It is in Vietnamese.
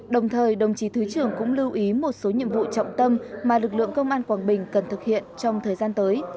đồng thời đồng chí thứ trưởng cũng lưu ý một số nhiệm vụ trọng tâm mà lực lượng công an quảng bình cần thực hiện trong thời gian tới